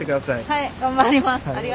はい頑張ります。